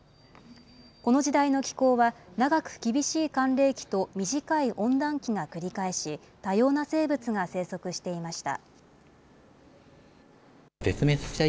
この時代の気候は、長く厳しい寒冷期と短い温暖期が繰り返し、多様な生物が生息していました。